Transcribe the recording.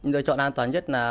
lựa chọn an toàn nhất là